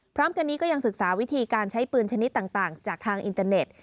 พร้อมกันนี้ก็ยังศึกษาวิธีการใช้ปืนชนิดต่างจากทางอินเตอร์เน็ต